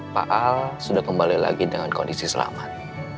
pak al sudah kembali lagi dengan kondisi selamat